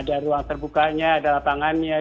ada ruang terbukanya ada lapangannya